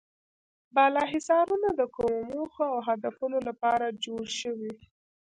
بالا حصارونه د کومو موخو او هدفونو لپاره جوړ شوي.